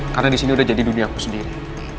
karena disini udah jadi dunia aku sendiri